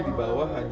jadi di bawah hanya